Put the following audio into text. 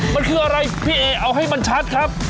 มันคืออะไรพี่เอเอาให้มันชัดครับ